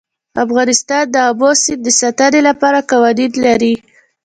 افغانستان د آمو سیند د ساتنې لپاره قوانین لري.